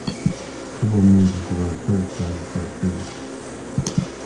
Football managers devise the perfect strategy for their team.